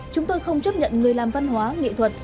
chúng tôi không chấp nhận người làm văn hóa nghệ thuật